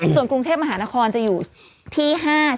ส่วนกรุงเทพมหานครจะอยู่ที่๕๐